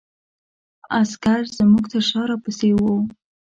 عسکر زموږ تر شا را پسې وو.